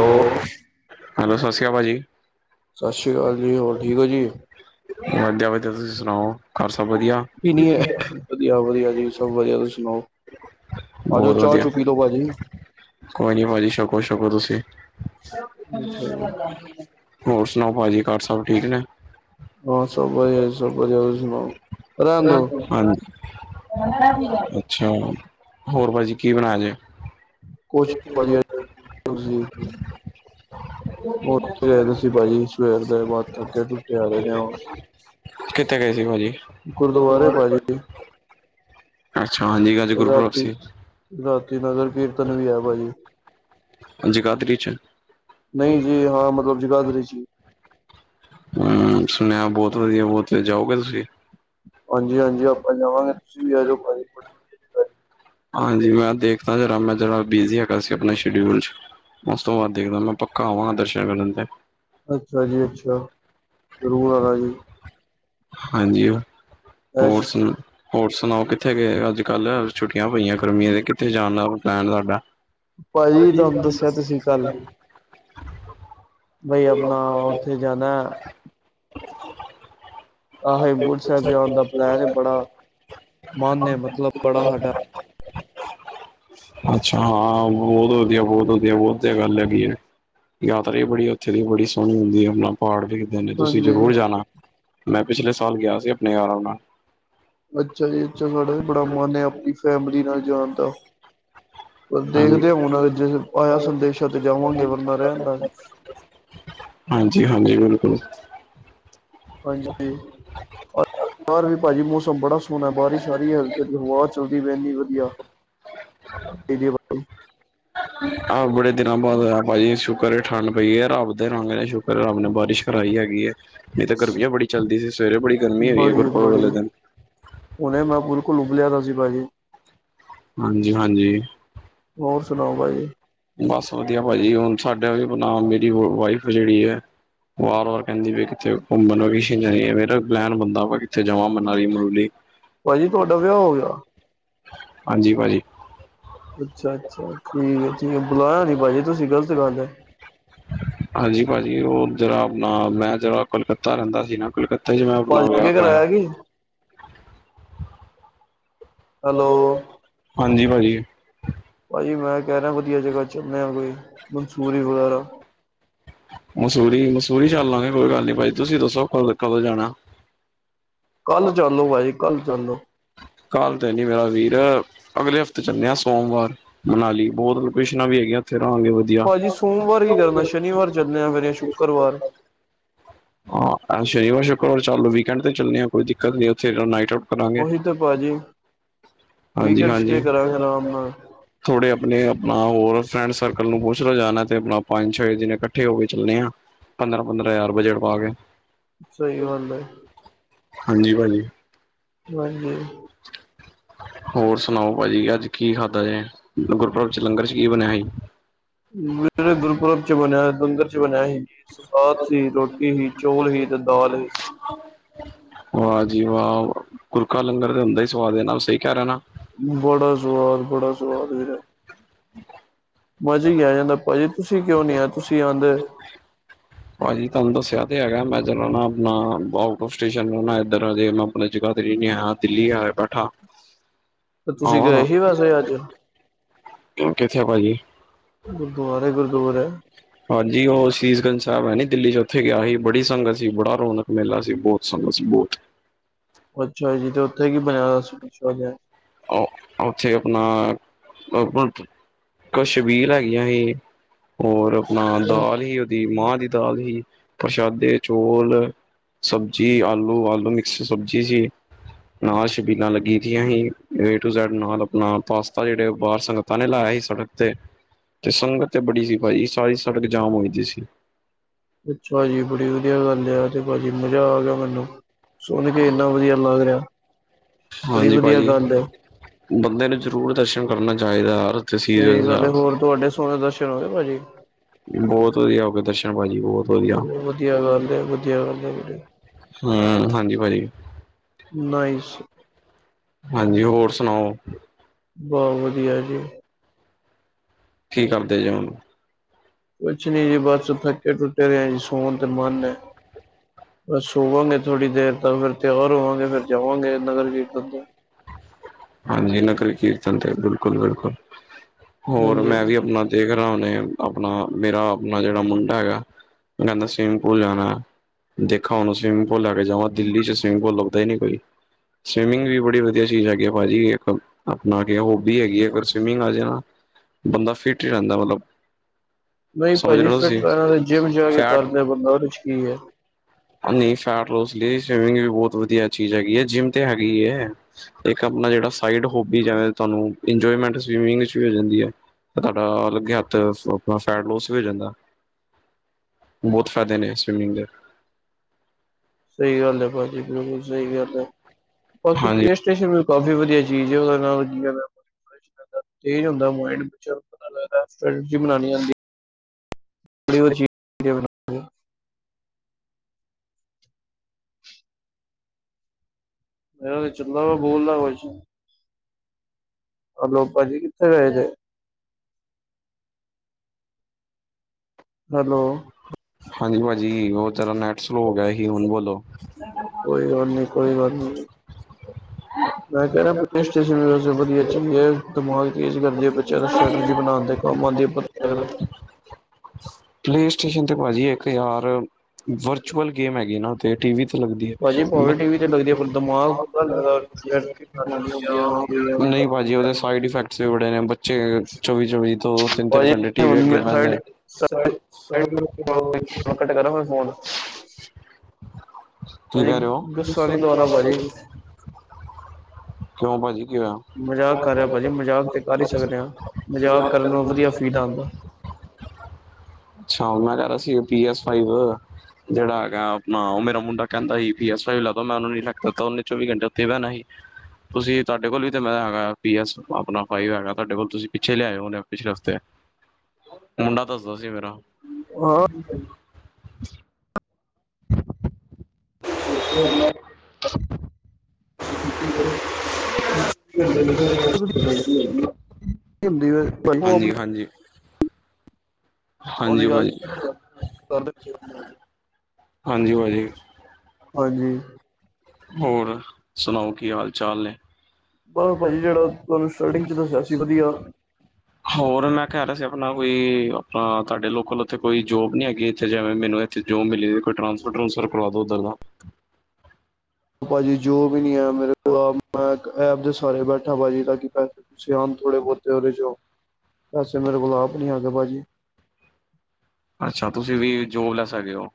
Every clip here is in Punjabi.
ਹੈਲੋ ਹੈਲੋ ਸਤਿ ਸ਼੍ਰੀ ਕਾਲ ਭਾਜੀ। ਸਤਿ ਸ਼੍ਰੀ ਅਕਾਲ ਜੀ ਹੋਰ ਠੀਕ ਓ ਜੀ। ਵਧੀਆ ਵਧੀਆ ਤੁਸੀਂ ਸੁਣਾਓ? ਘਰ ਸਭ ਵਧੀਆ ਕੀ [unintelligible] ਵਧੀਆ ਵਧੀਆ ਜੀ ਸਭ ਵਧੀਆ ਤੁਸੀਂ ਸੁਣਾਓ? ਆਜੋ ਬਹੁਤ ਚਾਹ ਵਧੀਆ ਚੂ ਪੀ ਲੋ ਭਾਜੀ। ਕੋਈ ਨੀ ਭਾਜੀ ਛਕੋ ਛਕੋ ਤੁਸੀਂ। ਅੱਛਾ ਜੀ ਹੋਰ ਸੁਣਾਓ ਭਾਜੀ ਘਰ ਸਬ ਠੀਕ ਨੇ। ਹਾਂ ਸਭ ਵਧੀਆ ਸਭ ਵਧੀਆ ਤੁਸੀਂ ਸੁਣਾਓ? ਰਹਿਣ ਦੋ ਹਾਂਜੀ ਅੱਛਾ ਹੋਰ ਭਾਜੀ ਕੀ ਬਣਾਇਆ ਜੇ ਕੁਛ ਭਾਜੀ [inaudible] ਉਹ [unintelligible] ਸੀ ਭਾਜੀ ਸਵੇਰ ਦੇ ਬਸ ਥੱਕ ਟੁੱਟੇ ਆ ਰਹੇ ਨੇ ਉਹ ਕਿੱਥੇ ਗਏ ਸੀ ਭਾਜੀ ਗੁਰਦੁਆਰੇ ਭਾਜੀ ਅੱਛਾ ਹਾਂਜੀ ਅੱਜ ਗੁਰਪੂਰਬ ਰਾਤੀ ਸੀ। ਰਾਤੀ ਨਗਰ ਕੀਰਤਨ ਵੀ ਐ ਭਾਜੀ। ਜਗਾਦਰੀ ਚ ਨਹੀਂ ਜੀ ਹਾਂ ਮਤਲਬ ਜਗਾਦਰੀ ਚ ਹੀ ਹੂੰ ਸੁਣਿਆ ਬੋਤ ਵਧੀਆ ਬੋਤ ਜਾਓਗੇ ਤੁਸੀਂ ਹਾਂਜੀ, ਹਾਂਜੀ ਆਪਾਂ ਜਾਵਾਂਗੇ ਤੁਸੀਂ ਵੀ ਆ ਜੋ ਭਾਜੀ। ਹਾਂਜੀ ਮੈਂ ਦੇਖਦਾ ਜਰਾ ਮੈਂ ਜਰਾ ਬਿਜੀ ਹੈਗਾ ਸੀ ਆਪਣੇ ਸ਼ਡਿਊਲ ਚ ਉਸ ਤੋਂ ਬਾਅਦ ਦੇਖਦਾ ਮੈਂ ਪੱਕਾ ਆਵਾਂਗਾ ਦਰਸ਼ਨ ਕਰਨ ਤੇ ਅੱਛਾ ਜੀ ਅੱਛਾ ਜ਼ਰੂਰ ਆਣਾ ਜੀ ਹਾਂਜੀ ਹੋਰ ਐਸ ਸੁਣਾ ਹੋਰ ਸੁਣਾਓ ਕਿੱਥੇ ਗਏ ਅੱਜ ਕੱਲ੍ਹ ਛੁੱਟੀਆਂ ਪਈਆਂ ਗਰਮੀਆਂ ਤੇ ਕਿੱਥੇ ਜਾਣ ਦਾ ਪਲੈਨ ਤੁਹਾਡਾ। ਭਾਜੀ ਤੁਹਾਨੂੰ ਦੱਸਿਆ ਤੇ ਸੀ ਕੱਲ ਬਈ ਆਪਣਾ ਉੱਥੇ ਜਾਣਾ। [inaudible] ਆ ਹੇਮਕੁੰਟ ਸਾਹਿਬ ਜਾਣ ਦਾ ਪਲੈਨ ਬੜਾ ਮਨ ਏ ਮਤਲਬ ਬੜਾ ਸਾਡਾ। ਅੱਛਾ ਹਾਂ ਬੋਤ ਵਧੀਆ ਬੋਤ ਵਧੀਆ ਬਹੁਤ ਵਧੀਆ ਗੱਲ ਹੈਗੀ ਐ। ਯਾਤਰਾ ਵੀ ਬੜੀ ਉਥੇ ਦੀ ਬੜੀ ਸੋਹਣੀ ਹੁੰਦੀ ਐ ਆਪਣਾ ਪਹਾੜ ਵੀ ਦਿਖਦੇ ਨੇ ਤੁਸੀਂ ਹਾਂਜੀ ਜ਼ਰੂਰ ਜਾਣਾ ਮੈਂ ਪਿਛਲੇ ਸਾਲ ਗਿਆ ਸੀ ਆਪਣੇ ਯਾਰਾ ਨਾਲ ਅੱਛਾ ਜੀ ਅੱਛਾ ਸਾਡਾ ਵੀ ਬੜਾ ਮਨ ਏ ਆਪਣੀ ਫੈਮਲੀ ਨਾਲ ਜਾਣ ਦਾ। ਪਰ ਹਾਂਜੀ ਦੇਖਦੇ ਆ ਹੁਨ ਜੇ ਆਇਆ ਸੰਦੇਸ਼ਾਂ ਤੇ ਜਾਵਾਂਗੇ ਵਰਨਾ ਰਹਿਨ ਦਾਂਗੇ। ਹਾਂਜੀ, ਹਾਂਜੀ ਬਿਲਕੁਲ ਹਾਂਜੀ, ਬਾਹਰ ਵੀ ਭਾਜੀ ਮੌਸਮ ਬੜਾ ਸੋਹਣਾ, ਬਾਰਿਸ਼ ਆ ਰਹੀ ਏ ਹਵਾ ਚ ਜੀ ਮੈ ਵੀ ਵਧੀਆ ਤੇ ਜੇ ਆਹ ਬੜੇ ਦਿਨਾਂ ਬਾਦ ਹੋਇਆ, ਭਾਜੀ ਸ਼ੁਕਰ ਇਹ ਠੰਡ ਪਈ ਏ, ਰੱਬ ਦੇ ਰੰਗ ਨੇ ਸ਼ੁਕਰ ਰੱਬ ਨੇ, ਬਾਰਿਸ਼ ਕਰਵਾਈ ਹੈਗੀ ਏ ਏਥੈ ਗਰਮੀ ਬੜੀ ਚੱਲਦੀ ਸੀ, ਸਵੇਰੇ ਬੜੀ ਗਰਮੀ ਹੋਈ ਏ, ਬੜੀ ਗੁਰਪੁਰਬ ਵਾਲੇ ਦਿਨ ਕੋਈ ਉਬਲਿਆ ਦਾ ਸੀ ਭਾਈ ਹਾਂਜੀ- ਹਾਂਜੀ ਹੋਰ ਸੁਣਾਓ ਬਈ? ਬਸ ਵਧੀਆ ਪਾਜੀ, ਹੁਣ ਸਾਡੇ ਵਾਲੀ ਨਾ ਜਿਹੜੀ ਵਾਈਫ ਜਿਹੜੀ ਐ ਵਾਰ- ਵਾਰ ਕਹਿੰਦੀ ਪਈ, ਕਿਥੇ ਘੁੰਮਣ ਰਿਸ਼ੀ ਜਾਈਏ, ਫਿਰ ਪਲੈਨ ਬਣਦਾ, ਵ ਕਿੱਥੇ ਜਾਵਾਂ ਮਨਾਲੀ -ਮਨੂਲੀ ਭਾਜੀ ਤੁਹਾਡਾ, ਵਿਆਹ ਹੋ ਗਿਆ? ਹਾਂਜੀ ਭਾਜੀ। ਅੱਛ- ਅੱਛਾ ਠੀਕ- ਠੀਕ ਹੈ ਬੁਲਾਇਆ ਨਹੀਂ, ਭਾਜੀ ਤੁਸੀਂ ਗ਼ਲਤ ਗੱਲ ਏ ਹਾਂਜੀ, ਭਾਜੀ ਉਹ ਜਿਹੜਾ ਆਪਣਾ ਮੈਂ ਜਿਹੜਾ, ਕਲਕੱਤਾ ਰਹਿੰਦਾ ਸੀ ਨਾ ਕਲਕੱ ਹਾਂਜੀ, ਮੈਂ ਭਾਜੀ ਲਿਆ ਬਣਾ ਅੱਗੇ ਕਰ ਕਰਾਇਆ ਕਿ ਹੈਲੋ, ਹਾਂਜੀ ਪਾਜੀ ਭਾਜੀ ਮੈਂ ਕਹਿ ਰਿਹਾ ਵਧੀਆ ਜਗ੍ਹਾ, ਚੱਲਣੇ ਹ ਕੋਈ ਮਨਸੂਰੀ ਵਗੈਰਾ ਮਸੂਰੀ- ਮਸੂਰੀ ਚੱਲ ਲਵਾਂਗੇ, ਕੋਈ ਗੱਲ ਨੀ, ਭਾਜੀ ਤੁਸੀਂ ਦੱਸੋ ਕਦੋਂ ਜਾਣਾ ਕੱਲ ਚੱਲ ਲੋ, ਭਾਜੀ ਕੱਲ ਚੱਲੋ ਲਉ ਕਲ, ਤੇ ਨਈ ਮੇਰਾ ਵੀਰ ਅਗਲੇ ਹਫ਼ਤੇ ਚੱਲਣੇ ਹਾਂ ਸੋਮਵਾਰ ਮਨਾਲੀ ਬਹੁਤ ਲੋਕੇਸ਼ਨਾਂ ਵੀ, ਹੈਗੀਆਂ ਉਥੇ ਰਿਹਾ ਗੇ ਵ ਭਾਜੀ ਸੋਮਵਾਰ ਕੀ ਕਰਨਾ, ਸ਼ਨੀਵਾਰ ਚੱਲਦੇੇ ਆ, ਫੇਰ ਸ਼ੁੱਕਰਵਾਰ ਹਾਂ, ਸ਼ਨੀਵਾਰ -ਸ਼ੁੱਕਰਵਾਰ ਚੱਲ ਲਉ, ਵੀਕਐਡ ਤੇ ਚੱਲੇ ਆ, ਕੋਈ ਦਿੱਕਤ ਨੀ ਉਥੇ ਨਾਈਟ ਕਰਾਂਗੇ ਉਹੀ ਤੇ ਭਾਜੀ, ਵੀਕਂਡ ਸਟੇ ਹਾਂਜੀ-ਹਾਂਜੀ। ਕਰਾਂਗੇ ਆਰਾਮ ਨਾਲ ਥੋੜੇ ਆਪਣੇ -ਆਪਣਾ ਹੋਰ ਫਰੈਂਡ ਸਰਕਲ ਨੂੰ ਪੁੱਛ ਲਉ ਜਾਣਾ ਤੇ, ਆਪਣਾ ਪੰਜ- ਛੇ ਦਿਨ ਇਕੱਠੇ ਹੋ ਕੇ ਚੱਲਣੇ ਆ ਪੰਦਰਾਂ -ਪੰਦਰਾਂ ਹਜ਼ਾਰ ਬਜਟ ਪਾ ਕੇ ਸਹੀ ਗੱਲ ਏ ਹਾਂਜੀ, ਭਾਜੀ। ਭਾਜੀ ਮੇਰੀ ਅ [inaudible] ਹੋਰ ਸੁਣਾਓ? ਭਾਜੀ ਅੱਜ ਕੀ ਖਾਧਾ ਜੇ, ਗੁਰਪ੍ਰਬ ਚ ਲੰਗਰ ਚ ਕੀ ਬਣਿਆ ਸੀ? ਜੋ ਗੁਰਪੁਰਬ ਚ ਬਣਿਆ ਲੰਗਰ ਚ ਬਣਿਆ ਸੀ, ਸਲਾਦ ਸੀ ਰੋਟੀ ਸੀ। ਚੋਲ ਵੀ ਤੇ ਦਾਲ ਵੀ ਵਾਹ ਜੀ ਵਾਹ, ਗੁਰ ਕਾ ਲੰਗਰ ਤੇ ਹੁੰਦਾ ਹੀ ਸਵਾਦ, ਇਹਨਾਂ ਸਹੀ ਕਹਿ ਰਹਿ ਨਾ ਬੜਾ ਸੁਆਦ -ਬੜਾ ਸੁਆਦ ਐ ਮਜ਼ੇ ਹੀ ਆ ਜਾਂਦਾ, ਭਾਜੀ ਤੁਸੀਂ ਕਿਉਂ ਨਈ, ਆਏ ਤੁਸੀਂ ਆਦੇ ਭਾਜੀ ਤੁਹਾਨੂੰ ਦੱਸਿਆ ਤੇ ਹੈਗਾ, ਮੈਂ ਜਰਾ ਆਪਣਾ ਆਉਟ ਔਫ ਟ ਸਟੇਸ਼ਨ ਮੈ ਇੱਧਰ ਅਜੇ ਮੈਂ ਆਪਣੇ ਜਗਾਧਰੀ ਨਈ ਆਇਆ ਦਿੱਲੀ ਆਏ ਬੈਠਾ ਤੇ ਤੁਸੀਂ, ਗਏ ਸੀ ਵੈਸੇ ਅੱਜ ਆਵਾਂਗਾ। ਕਿੱਥੇ ਭਾ ਜੀ? ਗੁਰਦੁਆਰੇ ਗੁਰਦੁਆਰੇ ਹਾਂਜੀ, ਉਹ ਸੀਸ ਗੰਜ ਸਾਹਿਬ ਹੈ ਨੀ ਦਿੱਲੀ ਚ, ਉੱਥੇ ਗਿਆ ਸੀ। ਬੜੀ ਸੰਗਤ ਸੀ ਬੜਾ ਰੋਣਕ ਮੇਲਾ ਸੀ, ਬਹੁਤ ਸੰਗਤ ਸੀ ਬਹੁਤ ਅੱਛਾ ਜੀ ਤੇ ਉੱਥੇ, ਕੀ ਬਣਿਆ ਆਛ ਜ ਅ ਉੱਥੇ ਆਪਣਾ ਕੁਛਬੀਰ ਹੈਗੀਆਂ ਸੀ ਹੋਰ ਆਪਣਾ ਜੀ ਦਾਲ ਹੀ ਦੀ ਮਾਂ ਦੀ ਦਾਲ ਸੀ ਪ੍ਰਸ਼ਾਦੇ ਚੋਲ ਸਬਜੀ ਆਲੂ ਆਲੂ ਮਿਕਸ ਸਬਜ਼ੀ ਸੀ ਨਾਲ ਛਬੀਲਾਂ ਲੱਗੀ ਦਿਆਂ ਸੀ। ਏ ਟੂ ਜੈਡ ਨਾਲ ਆਪਣਾ ਪਾਸਤਾ ਜਿਹੜੇ ਬਾਹਰ ਸੰਗਤਾਂ ਨੇ ਲਾਇਆ ਸੀ ਸੜਕ ਤੇ ਤੇ ਸੰਗਤ ਤੇ ਬੜੀ ਸੀ ਭਾਜੀ ਸਾਰੀ ਸੜਕ ਜਾਮ ਹੋਈਦੀ ਸੀ। ਅੱਛਾ ਜੀ ਬੜੀ ਵਧੀਆ ਗੱਲ ਏ, ਹਾਂਜੀ ਭਾਜੀ ਮਜ਼ਾ ਆ ਗਿਆ ਮੈਨੂੰ। ਸੁਣ ਕੇ ਇੰਨਾ ਵਧੀਆ ਲੱਗ ਰਿਹਾ। ਬੜੀ ਹਾਂਜੀ ਵਧੀਆ ਭਾਜੀ। ਗੱਲ ਹੈ ਬੰਦੇ ਨੂੰ ਜ਼ਰੂਰ ਦਰਸ਼ਨ ਕਰਨਾ ਚਾਹੀਦਾ ਯ ਤਸੀਰ ਸਹੀ ਗੱਲ ਹੈ ਹੋਰ ਤੁਹਾਡੇ ਸੋਹਣੇ ਦਰਸ਼ਨ ਹੋ ਗਏ ਭਾਜੀ ਬਹੁਤ ਵਧੀਆ ਹੋ ਗਏ ਦਰਸ਼ਨ ਭਾਜੀ ਬਹੁਤ। ਵਧੀਆ ਵਧੀਆ ਗੱਲ ਹੈ, ਵਧੀਆਂ ਗੱਲ ਹੈ ਬੜੀ। ਹੂੰ ਹਾਂਜੀ ਭਾਜੀ ਨਾਈਸ ਹਾਂਜੀ ਹੋਰ ਸੁਣਾਓ। ਬਹੁਤ ਵਧੀਆ ਜੀ। ਕੀ ਕਰਦੇ ਜੇ ਉਹਨੂੰ ਕੁਛ ਨੀ ਜੀ ਬਸ ਥੱਕੇ ਟੁੱਟੇ ਜੇ ਆਂ ਜੀ ਸੋਣ ਤੇ ਮਨ ਐ - ਬਸ ਸੋਵਾਂਗੇ ਥੋੜ੍ਹੀ ਦੇਰ ਤ ਫਿਰ ਤਿਆਰ ਹੋਵਾਂਗੇ ਫਿਰ ਜਾਵਾਂਗੇ ਨਗਰ ਕੀਰਤਨ ਤੇ। ਹਾਂਜੀ ਨਗਰੀ ਕੀਰਤਨ ਤੇ ਬਿਲਕੁਲ ਬਿਲਕੁਲ ਹੋਰ ਮੈਂ ਵੀ ਹਾਂਜੀ ਆਪਣਾ ਦੇਖ ਰਹਾ ਉਹਨੇ ਆਪਣਾ ਮੇਰਾ ਆਪਣਾ ਜਿਹੜਾ ਮੁੰਡਾ ਹੈਗਾ ਕਹਿੰਦਾ ਸਵੀਮਿੰਗ ਪੂਲ ਜਾਣਾ। ਦੇਖਾ ਹੁਣ ਸਵਿਮਿੰਗ ਪੂਲ ਲੈ ਕੇ ਜਾਵਾਂ ਦਿੱਲੀ ਚ ਸਵਿਮਿੱਗ ਪੂਲ ਲੱਭਦਾ ਨੀ ਕੋਈ। ਸਵਿਮਿੰਗ ਵੀ ਬੜੀ ਵਧੀਆ ਚੀਜ਼ ਹੈਗੀ ਐ ਭਾਜੀ ਇੱਕ ਆਪਣਾ ਹੋਬੀ ਹੈਗੀ ਹੈ ਅਗਰ ਸਵਿਮਿੰਗ ਆ ਜਾਯੇ ਨਾ। ਬੰਦਾ ਫਿੱਟ ਹੀ ਰਹਿੰਦਾ ਮਤਲਬ ਨਹੀਂ ਸਮਝ ਰਹੇ ਭਾਜੀ ਹੋ ਫਿਟ ਤੁਸੀਂ ਰ ਦੇ ਜਿੰਮ ਜਾ ਕੇ ਫੈਟ ਕਰਲੇ ਬੰਦਾ ਔਦੇ ਕੀ ਹੈ। ਨਹੀਂ ਫੈਟ ਲੋਸ ਲਈ ਸਵਿਮਿੰਗ ਵੀ ਬਹੁਤ ਵਧੀਆ ਚੀਜ਼ ਹੈਗੀ ਹੈ ਜਿੰਮ ਤੇ ਹੈਗੀ ਈ ਹੈ। ਇਕ ਆਪਣਾ ਜਿੜਾ ਸਾਈਡ ਹੋਬੀ ਜਿਵੇ ਤੁਹਾਨੂੰ ਇੰਜੋੲਮੈਂਟ ਸਵੀਵਿੰਗ ਵਿਚ ਹੋ ਜਾਂਦੀ ਹੈ। ਤੁਹਾਡਾ ਲੱਗੇ ਹੱਥ ਫੈਟ ਲੋਸ ਵੀ ਹੋ ਜਾਂਦਾ। ਬਹੁਤ ਫਾਇਦੇ ਨੇ ਸਵੀਮਿੰਗ ਦੇ। ਸਹੀ ਗੱਲ ਹੈ ਭਾਜੀ ਬਿਲਕੁਲ ਸਹੀ ਗੱਲ ਹੈ। ਹਾਂਜੀ ਸਟੇਸ਼ਨ ਵੀ ਕਾਫੀ ਵਧੀਆ ਚੀਜ਼ ਉਹਦੇ ਨਾਲ ਤੇ ਹੁੰਦਾ ਮਾਈਂਡ ਬੱਚਿਆਂ ਨੂੰ ਪਤਾ ਲੱਗਦਾ ਅਸੀ ਬਉਣੀ ਬਨਾਣੀ ਆਂਦੀ ੜੀੀ [inaudible] ਮ ਚ ਬੋਲ ਲਈ [inaudible] ਅਲੋਕ ਭਾਜੀ ਕਿੱਥੇ ਗਏ ਨੇ ਹੈਲੋ ਹਾਂਜੀ ਭਾਜੀ ਹੋਰ ਸੋ ਗਿਆ ਸੀ, ਹੁਣ ਬੋਲੋ ਕੋਈ ਗੱਲ ਨੀ, ਕੋਈ ਗੱਲ ਨੀ ਮੈਂ ਕਹਿ ਰਿਹਾ ਨਾ ਪਲੇ ਸਟੇਸ਼ਨ ਵਧੀਆ ਐ, ਦਿਮਾਗ ਤੇਜ਼ ਕਰਦੀ ਹੈ ਬੱਚਿਆਂ ਦਾ ਸਟ੍ਰੈਟੇਜੀ ਬਣਾਉਣ ਤੇ ਮੰਦੀ ਪਤਾ ਹੈ ਨਾ ਪਲੇ ਸਟੇਸ਼ਨ ਤੇ ਭਾਜੀ ਇੱਕ ਯਾਰ ਵਰਚੁਅਲ ਗੇਮ ਹੈਗੀ ਨਾ ਤੇ ਟੀ ਵੀ ਤੇ ਲਗਦੀ ਆ ਭਾਜੀ ਪਾਵੇ ਟੀਵੀ ਤੇ ਲੱਗਦੀ ਹੈ ਪਰ ਦਿਮਾਗ ਪੂਰਾ ਲੱਗਦਾ ਸਟ੍ਰੈਟਜੀ ਬਣਾਉਣੀ ਹੁੰਦੀ ਆ ਹਾਂ ਨਹੀਂ ਭਾਜੀ ਉਹਦੇ ਸਾਈਡ ਇਫੈਕਟਸ ਵੀ ਬੜੇ ਨੇ ਚੌਵੀ ਚੌਵੀ ਤੋਂ ਤਿੰਨ ਤਿੰਨ ਭਾਜੀ ਘੰਟੇ ਟੀ ਵੀ ਹੁਣ ਅੱਗੇ ਮੈਂ ਬੈਂਦੇ ਥਰਡ ਨੇ ਸਾਈਡ ਲੋਕੀ ਨਵਾਂ ਫੋਨ ਤੁਸੀਂ ਭਾਜੀ ਕਹਿ ਰਹੇ ਹੋ ਗੁੱਸਾ ਨਈ ਦਵਾਨਾ ਭਾਜੀ। ਕਿਉਂ ਭਾਜੀ ਕੀ ਹੋਇਆ। [inaudible] ਮਜ਼ਾਕ ਕਰ ਰਿਹਾ ਭਾਜੀ ਮਜ਼ਾਕ ਤੇ ਕਰ ਹੀ ਸਕਦੇ ਹਾਂ ਮਜ਼ਾਕ ਕਰਨ ਨੂੰ ਵਧੀਆ ਫੀਲ ਆਉਂਦਾ ਅੱਛਾ ਮੈਂ ਅਸੀ ਪੀ ਐਸ ਫਾਈਵ ਜੇੜਾ ਹੈਗਾ। ਨਾ ਓ ਮੇਰਾ ਮੁੰਡਾ ਕੈਂਦਾ ਈ ਪੀ ਐੱਸ ਫਾਈਵ ਲੈ ਦੋ ਉਹਨੂੰ ਨ ਲਗ ਦਿੱਤਾ ਉਹਨੇ ਚੌਵੀ ਘੰਟੇ ਉੱਥੇ ਹੀ ਬਹਿਣਾ ਸੀ। ਤੁਸੀਂ ਤੁਹਾਡੇ ਕੋਲ ਵੀ ਤਾਂ ਮੈਂ ਹੈਗਾ ਪੀ ਐਸ ਆਪਣਾ ਫਾਈਵ ਹੈਗਾ ਤੁਡੇ ਕੋਲ ਤੁਸੀਂ ਪਿੱਛੇ ਲਿਆਇ ਹੋ ਪਿੱਛਲੇ ਹਫ਼ਤੇ ਮੁੰਡਾ ਦੱਸਦਾ ਸੀ ਮੇਰਾ ਹਾਂ ਠੀਕ ਏ। [inaudible] [inaudible] ਕੀ ਹੁੰਦੀ ਏ ਓ ਆਪਣੇ ਹਾਂਜੀ ਹਾਂਜੀ ਹਾਂਜੀ ਉਹਨੇ ਕਿਹਾ ਭਾਜੀ-ਹਾਂਜੀ ਭਾਜੀ ਹਾਂਜੀ ਹੋਰ ਸੁਣਾਓ ਕੀ ਹਾਲ ਚਾਲ ਨੇ। ਬਸ ਭਾਜੀ ਜੇੜਾ ਤੁਹਾਨੂੰ ਸਟਾਰਟਿੰਗ 'ਚ ਦੱਸਿਆ ਸੀ ਵਧੀਆ ਹ ਹੋਰ ਮੈਂ ਕਹਿ ਰਿਆ ਸੀ ਆਪਣਾ ਕੋਈ ਆਪਣਾ ਤੁਹਾਡੇ ਲੋਕਲ ਉੱਥੇ ਕੋਈ ਜੋਬ ਨੀ ਹੈਗੀ ਇੱਥੇ ਜਿਵੇਂ ਮੈਨੂੰ ਜੋਬ ਮਿਲੇ ਕੋਈ ਟਰਾਂਸਫਰ ਟਰੁੰਸਫਰ ਕਰਵਾ ਦੋ ਉੱਧਰ ਦਾ ਭਾਜੀ ਜੋਬ ਵੀ ਹੈ ਮੇਰੇ ਕੋਲ ਮੈਂ ਐਪ ਦੇ ਸਾਰੇ ਬੈਠਾ ਭਾਜੀ ਤਾਂ ਕਿ ਪੈ ਸੇ ਆਣ ਥੋੜੇ ਬੋਤ ਉਹਦੇ 'ਚ ਪੈਸੇ ਮੇਰੇ ਕੋਲ ਆਪ ਨੀ ਹੈਗੇ ਭਾਜੀ। ਅੱਛਾ ਤੁਸੀਂ ਵੀ ਜੋਬ ਲੈਸ ਹੈਗੇ ਹੋ।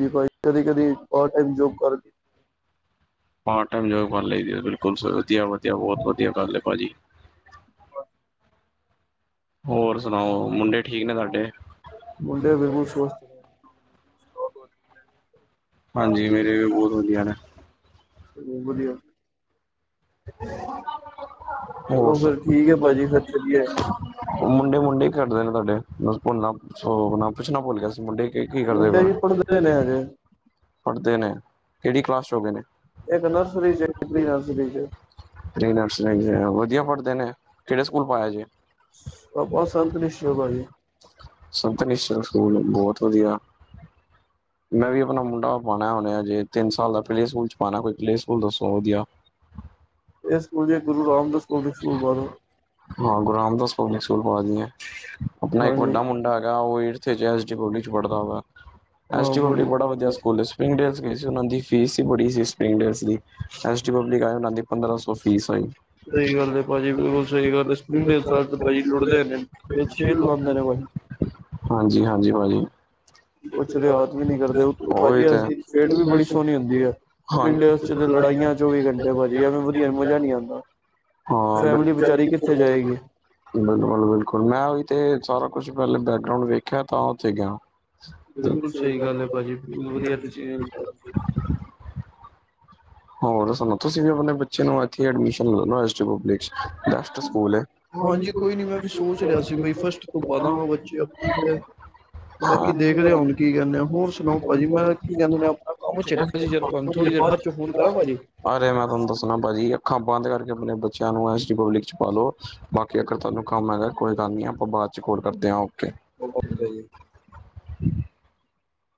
ਨਈ ਬਈ ਕਦੀ-ਕਦੀ ਪਾਰਟ ਟਾਈਮ ਜੋਬ ਕਰ ਪਾਰਟ ਟਾਈਮ ਜੋਬ ਕਰ ਲਈਦੇ ਆ ਬਿਲਕੁਲ ਵਧੀਆ-ਵਧੀਆ ਬੋਤ ਵਧੀਆ ਗੱਲ ਏ ਭਾਜੀ। ਹੋਰ ਸੁਣਾਓ ਮੁੰਡੇ ਠੀਕ ਨੇ ਸਾਡੇ ਮੁੰਡੇ ਬਿਲਕੁਲ ਸ਼ੁ ਹਾਂਜੀ ਵੀਰੇ ਬੋਤ ਵਧੀਆ ਨੇ। ਓ ਵਧੀਆ ਹੋਰ ਚਲੋ ਸਬ ਫਿਰ ਠੀਕ ਏ ਹੈ ਫਿਰ ਭਾਜੀ। ਚੱਲੀਏ ਮੁੰਡੇ-ਮੁੰਡੇ ਹੀ ਖੇਡ ਰਏ ਤੁਆਡੇ ਬਸ ਭੁੱਲਣਾ ਸੋ ਪੁੱਛਣਾ ਭੁੱਲ ਗਿਆ ਸੀ ਮੁੰਡੇ ਇਹ ਕੀ ਕਰਦੇ ਮੁੰਡੇ ਪਏ ਜੀ ਪੜ੍ਹਦੇ ਨੇ ਹਜੇ ਪੜ੍ਹਦੇ ਨੇ ਕੇੜੀ ਕਲਾਸ 'ਚ ਹੋ ਗਏ ਨੇ। ਇੱਕ ਨਰਸਰੀ 'ਚ ਪ੍ਰੀ ਨਰਸਰੀ 'ਚ ਪਰੀ ਨਰਸਰੀ ਵਧੀਆ ਪੜ੍ਹਦੇ ਨੇ ਕੇੜੇ ਸਕੂਲ ਪਾਇਆ ਜੇ ਆਪਾਂ ਇਸ ਤਰ੍ਹਾਂ ਸੰਤ ਨਈ ਨਿਸ਼ਚੈ ਦੱਸੀ ਦਾ ਭਾਜੀ ਸੰਤਨਿਸ਼ਰ ਸਕੂਲ ਬੋਤ ਵਧੀਆ ਮੈਂ ਵੀ ਆਪਣਾ ਮੁੰਡਾ ਪਾਣਾ ਹੁਣੇ ਹਜੇ ਤਿੰਨ ਸਾਲ ਦਾ ਪਲੇਅ ਸਕੂਲ 'ਚ ਪਾਣਾ ਕੋਈ ਪਲੇਅ ਸਕੂਲ ਦੱਸੋ ਵਧੀਆ ਇਹ ਸਕੂਲ ਜੀ ਇੱਕ ਗੁਰੂ ਰਾਮਦਾਸ ਪਬਲਿਕ ਸਕੂਲ ਪਾ ਦੋ। ਹਾਂ ਗੁਰੂ ਰਾਮਦਾਸ ਪਬਲਿਕ ਸਕੂਲ ਪਾ ਦੀਏ ਆਪਣਾ ਇੱਕ ਹਾਂਜੀ ਵੱਡਾ ਮੁੰਡਾ ਹੈਗਾ ਓ ਇੱਥੇ ਜੇ ਐਸ ਡੀਬਲਿਊ 'ਚ ਪੜ੍ਹਦਾ ਵਾ ਹਾਂ ਐਸ ਬੜੀ ਡੀਬਲਿਊ ਬੜਾ ਵਧੀਆ ਸਕੂਲ ਹੈ ਜੀ। ਉਹਨਾਂ ਦੀ ਫੀਸ ਹੀ ਬੜੀ ਸੀ ਸਪਿੰਗ ਡਰੈੱਸ ਦੀ ਐਸ ਡੀ ਪਬਲਿਕ ਉਹਨਾਂ ਦੀ ਪੰਦਰਾਂ ਸੌ ਫ਼ੀਸ ਆਈ। ਸਈ ਗੱਲ ਏ ਭਾਜੀ ਬਿਲਕੁਲ ਸਹੀ ਗੱਲ ਹੈ ਸਪਰਿੰਗ ਡੇਲਸ ਵਾਲੇ ਭਾਜੀ ਲੁਟਦੇ ਨੇ ਇਹ ਛਿਲ ਲਾਂਦੇ ਭਾਜੀ। ਹਾਂਜੀ-ਹਾਂਜੀ ਭਾਜੀ। ਕੁਛ ਰਿਆਤ ਵੀ ਨੀ ਕਰਦੇ ਉੱਤੋਂ ਉਹੀ ਭਾਜੀ ਤੇ ਐਸ ਡੀ ਸੇਟ ਵੀ ਬੜੀ ਸੋਹਣੀ ਹੁੰਦੀ ਏ। ਹਾਂ ਪਿੰਡ ਵਿੱਚ ਤੇ ਲੜਾਈਆਂ। ਚੌਵੀ ਘੰਟੇ ਭਾਜੀ ਐਵੇ ਵਧੀਆ ਮਜ਼ਾ ਨਹੀਂ ਆਦਾ ਫੈਮਿਲੀ ਵਿਚਾਰੀ ਕਿੱਥੇ ਜਾਏਗੀ। ਬਿਲਕੁਲ-ਬਿਲਕੁਲ ਮੈਂ ਉਹੀਂ ਤੇ ਸਾਰਾ ਕੁਛ ਪਹਿਲੇ ਬੈਕਗਰਾਉਂਡ ਵੇਖਿਆ ਤਾਂ ਉੱਥੇ ਗਿਆ। ਬਿਲਕੁਲ ਸਹੀ ਗੱਲ ਐ ਭਾਜੀ ਬਹੁਤ ਵਧੀਆ ਤੁਸੀਂ। ਹੋਰ ਦੱਸੋ ਤੁਸੀਂ ਵੀ ਆਪਣੇ ਬੱਚੇ ਨੂੰ ਇੱਥੇ ਐਡਮਿਸ਼ਨ ਲੈ ਲੈਣਾ ਐਸ ਡੀ ਪਬਲਿਕ 'ਚ। ਬੈਸਟ ਸਕੂਲ ਐ। ਹਾਂਜੀ ਕੋਈ ਨੀ ਮੈਂ ਵੀ ਸੋਚ ਰਿਹਾ ਸੀ ਬਈ ਫਸਟ ਤੋਂ ਪਾਦਾਂਗਾ ਬੱਚੇ ਤੇ। ਬਾਕੀ ਦੇਖਦੇ ਹਾਂ ਹੁਣ ਕੀ ਕਹਿੰਦੇ ਆ ਹੋਰ ਸੁਣਾਓ? ਭਾਜੀ ਮੈਂ ਕੀ ਕਹਿੰਦੇ ਆਪਣਾ ਕੰਮ। ਭਾਜੀ ਜਦੋਂ ਤੁਹਾਨੂੰ ਥੋੜ੍ਹੀ ਦੇਰ ਬਾਅਦ 'ਚ ਫੋਨ ਕਰਾ ਭਾਜੀ। ਅਰੇ ਮੈਂ ਤੁਹਾਨੂੰ ਦੱਸਣਾ ਭਾਜੀ ਅੱਖਾਂ ਬੰਦ ਕਰਕੇ ਆਪਣੇ ਬੱਚਿਆਂ ਨੂੰ ਐਸ ਡੀ ਪਬਲਿਕ 'ਚ ਪਾਲੋ। ਬਾਕੀ ਅਗਰ ਤੁਹਾਨੂੰ ਕੰਮ ਹੈਗਾ ਕੋਈ ਗੱਲ ਨੀ ਆਪਾਂ ਬਾਅਦ 'ਚ ਕੋਲ ਕਰਦੇ ਆ ਓਕੇ। ਓਕੇ ਜੀ।